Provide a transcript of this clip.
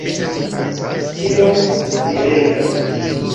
Tiom fierega!